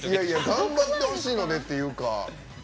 頑張ってほしいのでっていうか。